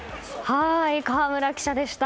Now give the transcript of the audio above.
河村記者でした。